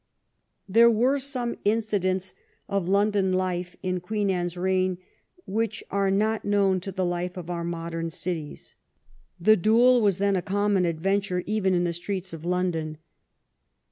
There were some incidents of London life in Queen Anne's reign which are not known to the life of our modern cities. The duel was then a common adventure even in the streets of London.